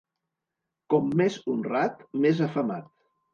Com més honrat més afamat.